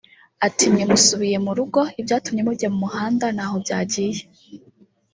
Ati “Mwe musubiye mu rugo ibyatumye mujya mu muhanda ntaho byagiye